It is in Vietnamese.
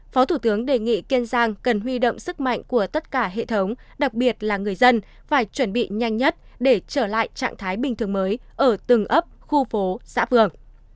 phó thủ tướng đề nghị kiên giang cần huy động sức mạnh của tất cả hệ thống đặc biệt là người dân phải chuẩn bị nhanh nhất để trở lại trạng thái bình thường mới ở từng ấp khu phố xã phường